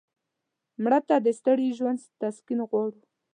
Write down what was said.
مړه ته د ستړي ژوند تسکین غواړو